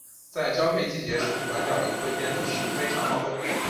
在交配季节时短角羚会变得非常好斗。